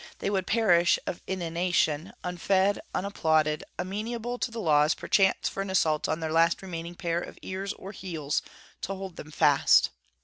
They would perish of inanition, unfed, unapplauded, amenable to the laws perchance for an assault on their last remaining pair of ears or heels, to hold them fast.